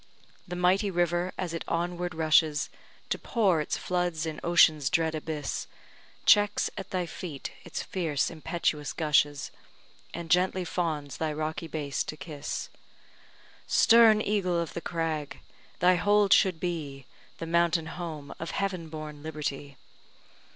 The mighty river, as it onward rushes To pour its floods in ocean's dread abyss, Checks at thy feet its fierce impetuous gushes, And gently fawns thy rocky base to kiss. Stern eagle of the crag! thy hold should be The mountain home of heaven born liberty!